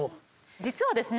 実はですね